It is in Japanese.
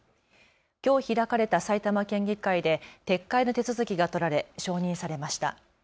きょう開かれた埼玉県議会で撤回の手続きが取られ承認されました。